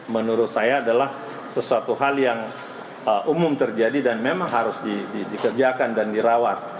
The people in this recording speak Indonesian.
menurut saya adalah sesuatu hal yang umum terjadi dan memang harus dikerjakan dan dirawat